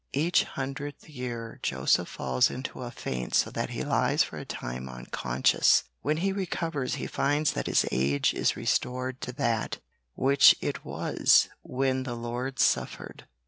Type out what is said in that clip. Each hundredth year Joseph falls into a faint so that he lies for a time unconscious. When he recovers he finds that his age is restored to that which it was when the Lord suffered.